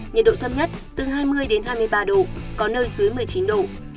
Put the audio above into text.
nhiệt độ thâm nhất từ hai mươi đến hai mươi ba độ có nơi dưới một mươi chín độ